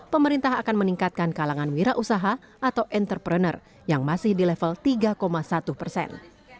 pemerintah akan meningkatkan kalangan wira usaha atau entrepreneur yang masih di level tiga satu persen